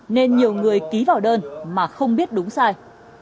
nên nhiều người ký vào đơn mà không biết đúng sai